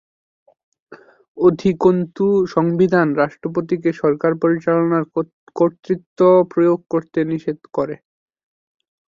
অধিকন্তু, সংবিধান রাষ্ট্রপতিকে সরকার পরিচালনার কর্তৃত্ব প্রয়োগ করতে নিষেধ করে।